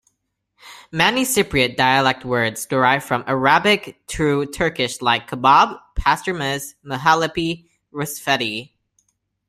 Many Cypriot dialect words derive from Arabic through Turkish like: "kebab, pastourmas, mahalepi, rusfeti".